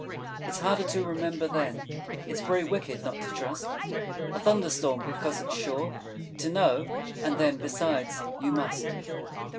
It's harder to remember, then: _It's Very Wicked not to trust A Thunder Storm. Because it's Sure To know! And then, besides, you Must.